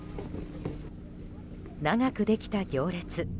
長くできた行列。